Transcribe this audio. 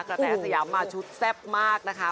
แตอาสยามมาชุดแซ่บมากนะคะ